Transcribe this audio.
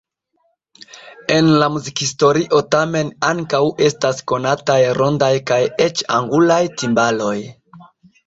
En la muzikhistorio tamen ankaŭ estas konataj rondaj kaj eĉ angulaj timbaloj.